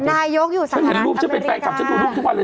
หน่อยกอยู่สหรัฐอเมริกา